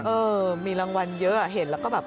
เออมีรางวัลเยอะเห็นแล้วก็แบบ